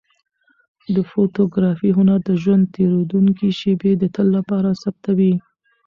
د فوتوګرافۍ هنر د ژوند تېرېدونکې شېبې د تل لپاره ثبتوي.